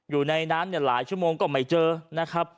อยู่ในน้ำหลายชั่วโมงก็ไม่เจอนะครับ